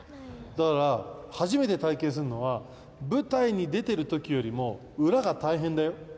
だから、初めて体験するのは、舞台に出てるときよりも、裏が大変だよ。